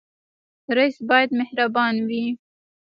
رئیس باید مهربان وي